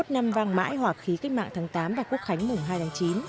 bảy mươi một năm vang mãi hỏa khí cách mạng tháng tám và quốc khánh mùng hai tháng chín